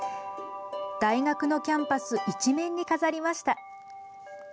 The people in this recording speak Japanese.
大学のキャンパス一面に飾りました。